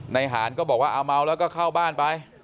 หานก็บอกว่าเอาเมาแล้วก็เข้าบ้านไป